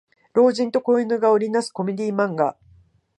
老人と子犬が織りなすコメディ漫画